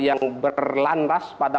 yang berlanras pada